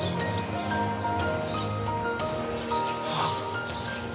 あっ！